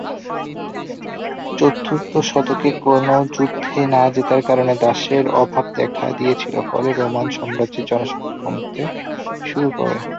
চতুর্থ শতকে কোন যুদ্ধে না জেতার কারণে দাসের অভাব দেখা দিয়েছিল ফলে রোমান সম্রাজ্যের জনসংখ্যা কমতে শুরু করে।